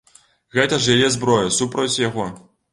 Гэта ж яе зброя супроць яго.